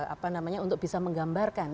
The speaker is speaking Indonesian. apa namanya untuk bisa menggambarkan